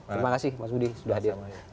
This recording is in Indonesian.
terima kasih mas budi sudah hadir